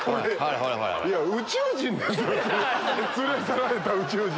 連れ去られた宇宙人。